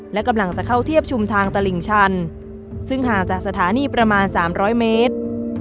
และกำลังจะเข้าเทียบชุมทางตลิ่งชันซึ่งห่างจากสถานีประมาณ๓๐๐เมตร